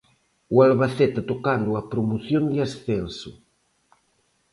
O Albacete tocando a promoción de ascenso.